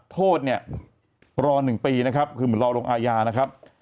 โทษเนี่ยรอ๑ปีนะครับคือเหมือนรอลงอาญานะครับ